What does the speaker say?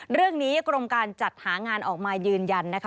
เรื่องนี้กรมการจัดหางานออกมายืนยันนะคะ